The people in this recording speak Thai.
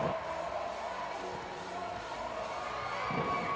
สวัสดีทุกคน